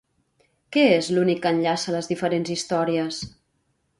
Què és l'únic que enllaça les diferents històries?